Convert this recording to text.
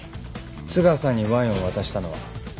津川さんにワインを渡したのは？